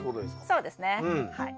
そうですねはい。